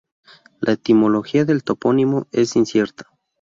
La etimología del topónimo es incierta.